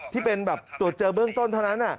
ที่เป็นแบบตรวจเจอเบื้องต้นเท่านั้น